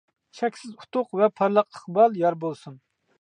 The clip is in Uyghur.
چەكسىز ئۇتۇق ۋە پارلاق ئىقبال يار بولسۇن!